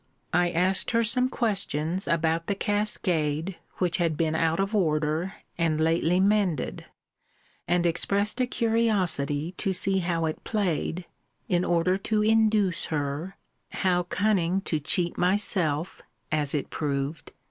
I asked her some questions about the cascade, which had been out of order, and lately mended; and expressed a curiosity to see how it played, in order to induce her [how cunning to cheat myself, as it proved!